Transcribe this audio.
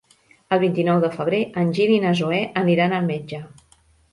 El vint-i-nou de febrer en Gil i na Zoè aniran al metge.